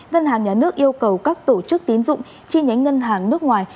ngân hàng nhà nước yêu cầu các tổ chức tín dụng chi nhánh ngân hàng nước ngoài